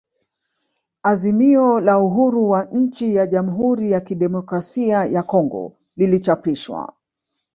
Azimio la uhuru wa nchi ya Jamhuri ya kidemokrasia ya Kongo lilichapishwa